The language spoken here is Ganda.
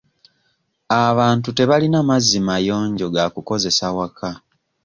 Abantu tebalina mazzi mayonjo ga kukozesa waka.